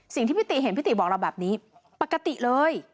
สิ่งที่พี่ติเห็นพี่ติบอกเราแบบนี้ปกติเลย